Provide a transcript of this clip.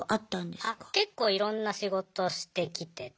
結構いろんな仕事してきてて。